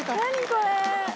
これ。